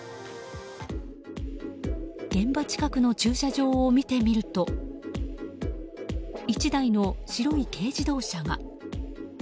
現場近くの駐車場を見てみると１台の白い軽自動車が。